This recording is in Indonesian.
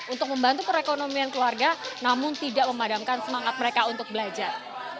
untuk membantu perekonomian keluarga namun tidak memadamkan semangat mereka untuk belajar